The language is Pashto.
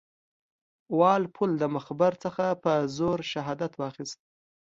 وال پول د مخبر څخه په زور شهادت واخیست.